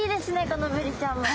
このブリちゃんも。